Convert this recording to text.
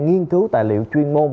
nghiên cứu tài liệu chuyên môn